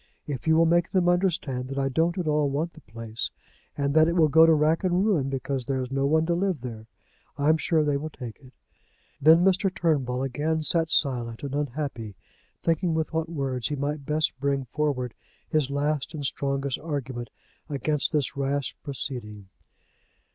If you will make them understand that I don't at all want the place, and that it will go to rack and ruin because there is no one to live there, I am sure they will take it." Then Mr. Turnbull again sat silent and unhappy, thinking with what words he might best bring forward his last and strongest argument against this rash proceeding.